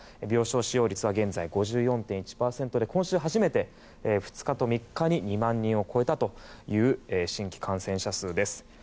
病床使用率は現在５４．１％で今週初めて２日と３日に２万人を超えたという新規感染者数です。